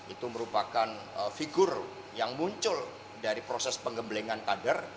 itu merupakan figur yang muncul dari proses pengembelengan kader